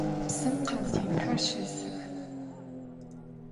Psım khaz yinxer şêsıx.